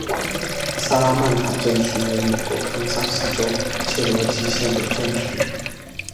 萨拉曼卡镇区为美国堪萨斯州切罗基县的镇区。